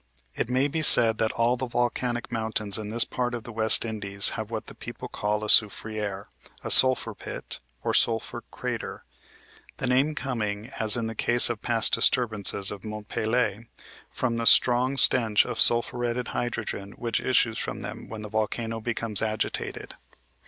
It may be said that all the volcanic mountains in this part of the West Indies have what the people call a "soufriere" a "sulphur pit," or "sulphur crater" the name coming, as in the case of past disturbances of Mont Pelee, from the strong stench of sulphuretted hydrogen which issues from them when the volcano becomes agitated.